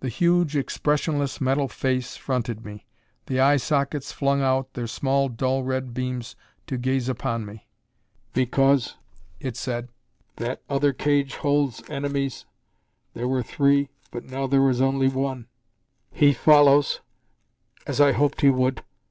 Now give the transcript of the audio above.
The huge, expressionless, metal face fronted me. The eye sockets flung out their small dull red beams to gaze upon me. "Because," it said, "that other cage holds enemies. There were three, but now there is only one. He follows, as I hoped he would.